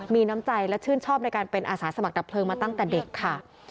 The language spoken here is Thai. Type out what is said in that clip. มีน้ำใจและชื่นชอบในการเป็นอาสาสมัครดับเพลิงมาตั้งแต่เด็กค่ะ